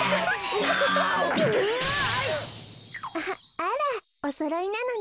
あらおそろいなのね。